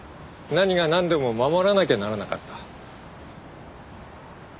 何がなんでも守らなきゃならなかった。